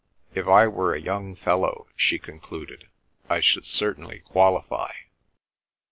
"If I were a young fellow," she concluded, "I should certainly qualify."